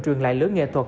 truyền lại lưỡi nghệ thuật